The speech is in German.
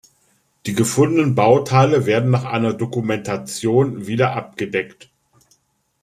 Die gefundenen Bauteile werden nach einer Dokumentation wieder abgedeckt.